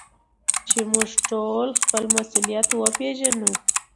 چي موږ ټول خپل مسؤليت وپېژنو.